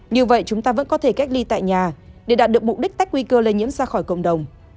như vậy chúng ta vẫn có thể cách ly tại nhà để đạt được mục đích tách nguy cơ lây nhiễm ra khỏi cộng đồng